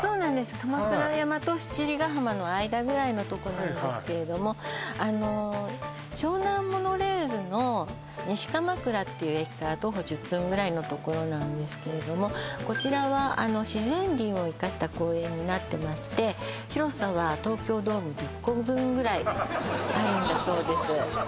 鎌倉山と七里ヶ浜の間ぐらいのとこなんですけれどもあの湘南モノレールの西鎌倉っていう駅から徒歩１０分ぐらいのところなんですけれどもこちらは自然林を生かした公園になってまして広さはあるんだそうです